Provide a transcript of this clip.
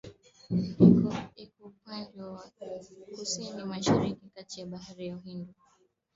Iko upande wa Kusini Mashariki kati ya Bahari ya Uhindi na